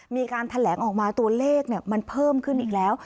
มีการแถลงออกมาตัวเลขมันเพิ่มขึ้นอีกแล้ว